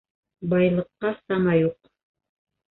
Байлыҡҡа сама юҡ